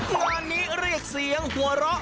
งานนี้เรียกเสียงหัวเราะ